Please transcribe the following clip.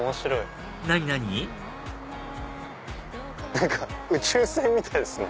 何か宇宙船みたいですね。